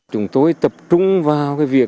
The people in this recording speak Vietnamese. chúng tôi tập trung vào việc